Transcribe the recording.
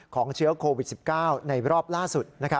เชื้อโควิด๑๙ในรอบล่าสุด